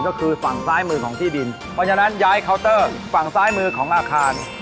ก็คือฝั่งซ้ายมือของที่ดินเพราะฉะนั้นย้ายเคาน์เตอร์ฝั่งซ้ายมือของอาคาร